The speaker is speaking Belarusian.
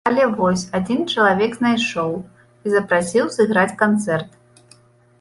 Але вось адзін чалавек знайшоў, і запрасіў сыграць канцэрт.